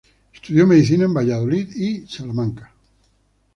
Estudió medicina en Valladolid y Salamanca.